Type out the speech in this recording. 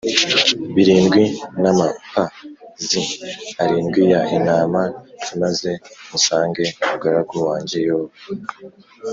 birindwi n amap zi arindwi y intama i maze musange umugaragu wanjye Yobu